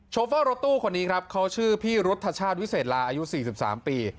โฟรถตู้คนนี้ครับเขาชื่อพี่รุธชาติวิเศษลาอายุ๔๓ปี